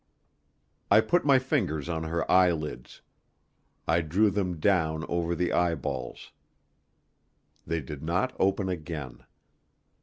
I put my fingers on her eyelids; I drew them down over the eyeballs: they did not open again.